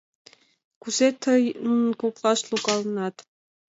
— Кузе тый нунын коклаш логалынат?